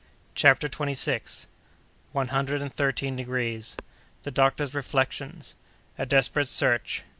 CHAPTER TWENTY SIXTH. One Hundred and Thirteen Degrees.—The Doctor's Reflections.—A Desperate Search.